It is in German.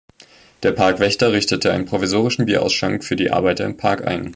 Der Parkwächter richtete einen provisorischen Bierausschank für die Arbeiter im Park ein.